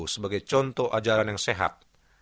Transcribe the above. sebagai contoh ajaran yang sehat